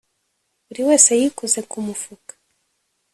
buri wese yikoze ku mufuka